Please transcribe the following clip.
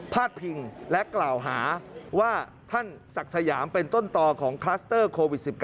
ดพิงและกล่าวหาว่าท่านศักดิ์สยามเป็นต้นต่อของคลัสเตอร์โควิด๑๙